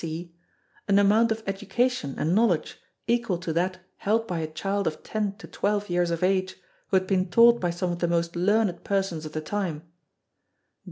(c) An amount of education and knowledge equal to that held by a child of ten to twelve years of age who had been taught by some of the most learned persons of the time.